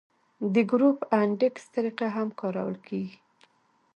د ګروپ انډیکس طریقه هم کارول کیږي